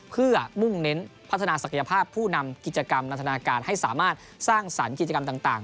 เพื่อมุ่งเน้นพัฒนาศักยภาพผู้นำกิจกรรมนันทนาการให้สามารถสร้างสรรค์กิจกรรมต่าง